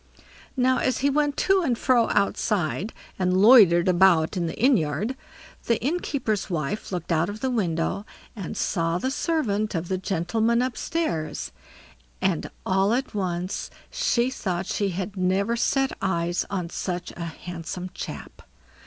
Now, as he went to and fro outside, and loitered about in the inn yard, the innkeeper's wife looked out of window and saw the servant of the gentlemen upstairs; and, all at once, she thought she had never set eyes on such a handsome chap.